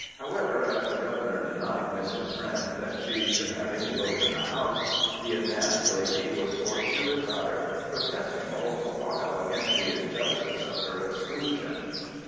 However, as "the Governor denied Mrs. Brent that she should have any vote in the House,^ the advanced lady was forced to retire, protesting all the while against the injustice of her exclusion.